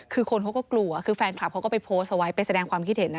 คือคนเขาก็กลัวคือแฟนคลับเขาก็ไปโพสต์เอาไว้ไปแสดงความคิดเห็นนะ